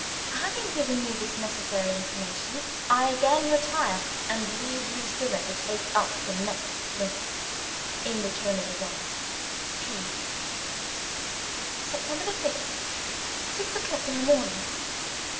Having given you this necessary information, I again retire, and leave Lucilla to take up the next link in the chain of events. P.] September 5th. _Six o'clock in the morning.